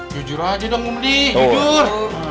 jujur aja dong umdi jujur